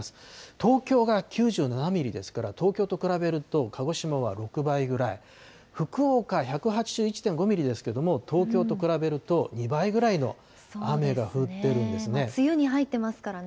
東京が９７ミリですから、東京と比べると、鹿児島は６倍ぐらい、福岡１８１．５ミリですけれども、東京と比べると２倍ぐらいの雨が梅雨に入ってますからね。